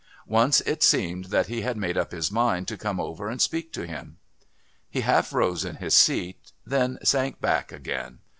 Once it seemed that he had made up his mind to come over and speak to him. He half rose in his seat, then sank back again.